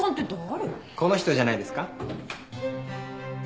この人じゃないですか？